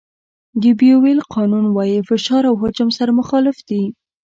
د بویل قانون وایي فشار او حجم سره مخالف دي.